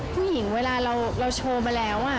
ผู้หญิงเวลาเราโชว์มาแล้ว